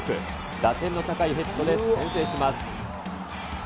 打点の高いヘッドで先制します。